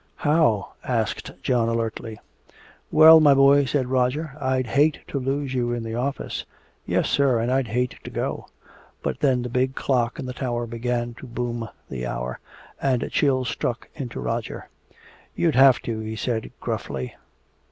"How?" asked John alertly. "Well, my boy," said Roger, "I'd hate to lose you in the office " "Yes, sir, and I'd hate to go." Just then the big clock in the tower began to boom the hour, and a chill struck into Roger. "You'd have to," he said gruffly.